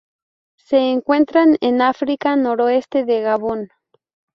Se encuentran en África: noroeste de Gabón.